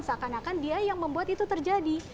seakan akan dia yang membuat itu terjadi